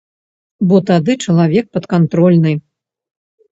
Бо тады чалавек падкантрольны.